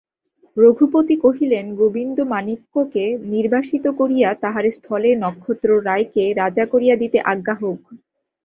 রঘুপতি কহিলেন, গোবিন্দমাণিক্যকে নির্বাসিত করিয়া তাঁহার স্থলে নক্ষত্ররায়কে রাজা করিয়া দিতে আজ্ঞা হউক।